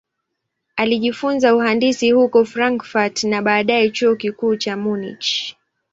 Alijifunza uhandisi huko Frankfurt na baadaye Chuo Kikuu cha Munich.